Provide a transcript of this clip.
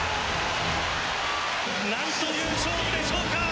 何という勝負でしょうか。